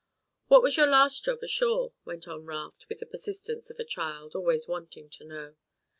"What was your last job ashore?" went on Raft with the persistence of a child, always wanting to know.